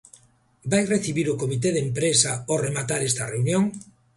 ¿Vai recibir o comité de empresa ao rematar esta reunión?